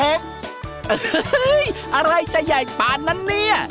เฮ้ยอะไรจะใหญ่กว่านั้นเนี่ย